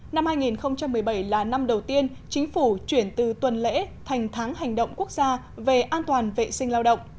năm hai nghìn một mươi bảy là năm đầu tiên chính phủ chuyển từ tuần lễ thành tháng hành động quốc gia về an toàn vệ sinh lao động